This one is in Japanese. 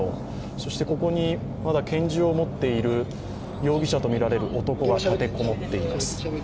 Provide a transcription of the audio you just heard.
そしてここにまだ拳銃を持っている容疑者とみられる男が立て籠もっています。